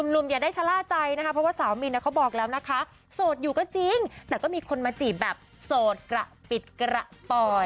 หนุ่มอย่าได้ชะล่าใจนะคะเพราะว่าสาวมินเขาบอกแล้วนะคะโสดอยู่ก็จริงแต่ก็มีคนมาจีบแบบโสดกระปิดกระตอย